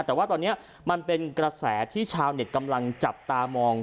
แต่ว่าตอนนี้มันเป็นกระแสที่ชาวเน็ตกำลังจับตามอง